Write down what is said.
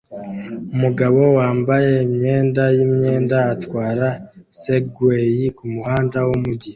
Umugabo wambaye imyenda yimyenda atwara Segway kumuhanda wumujyi